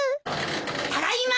・・ただいま。